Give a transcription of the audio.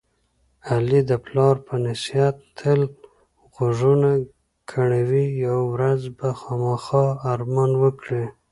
علي د پلار په نصیحت تل غوږونه کڼوي. یوه ورځ به خوامخا ارمان وکړي.